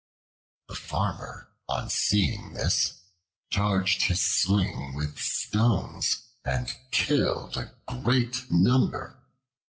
The Farmer, on seeing this, charged his sling with stones, and killed a great number.